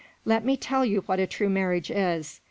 Let me tell you what a true marriage is.